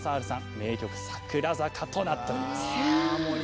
名曲「桜坂」となっております。